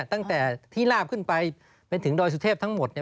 ตั้งแต่ที่ลาบขึ้นไปไปถึงดอยสุเทพทั้งหมดเนี่ย